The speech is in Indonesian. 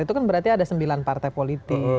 itu kan berarti ada sembilan partai politik